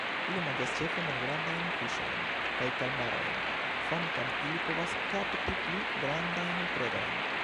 Ili manĝas ĉefe malgrandajn fiŝojn kaj kalmarojn, kvankam ili povas kapti pli grandajn predojn.